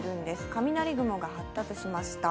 雷雲が発達しました。